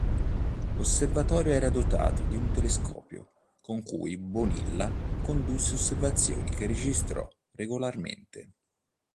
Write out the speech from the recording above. L'osservatorio era dotato di un telescopio, con cui Bonilla condusse osservazioni che registrò regolarmente.